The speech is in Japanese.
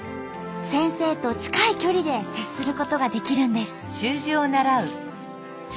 先生と近い距離で接することができるんです。